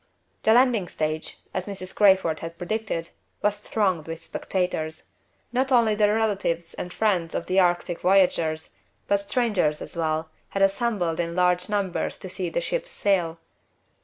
The landing stage, as Mrs. Crayford had predicted, was thronged with spectators. Not only the relatives and friends of the Arctic voyagers, but strangers as well, had assembled in large numbers to see the ships sail.